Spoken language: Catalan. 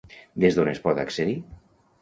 Des d'on es pot accedir?